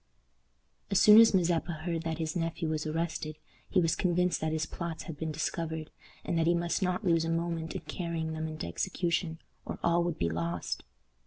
As soon as Mazeppa heard that his nephew was arrested, he was convinced that his plots had been discovered, and that he must not lose a moment in carrying them into execution, or all would be lost.